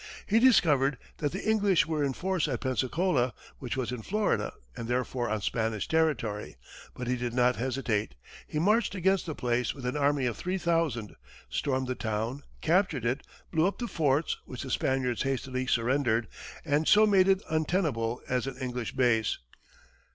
He discovered that the English were in force at Pensacola, which was in Florida and therefore on Spanish territory; but he did not hesitate. He marched against the place with an army of three thousand, stormed the town, captured it, blew up the forts, which the Spaniards hastily surrendered, and so made it untenable as an English base.